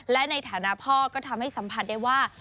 และในฐานะพ่อก็ทำให้สัมผัสได้ว่า